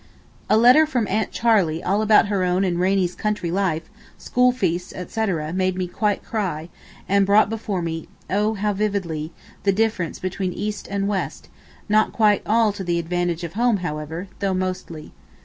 A letter from aunt Charley all about her own and Rainie's country life, school feasts etc., made me quite cry, and brought before me—oh, how vividly—the difference between East and West, not quite all to the advantage of home however, though mostly.